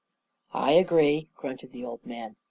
"I agree," grunted the old man.